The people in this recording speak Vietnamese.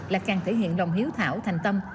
là càng thể hiện lòng hiếu thảo thành tâm